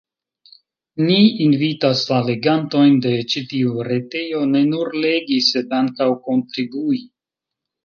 Ni invitas la legantojn de ĉi tiu retejo ne nur legi sed ankaŭ kontribui.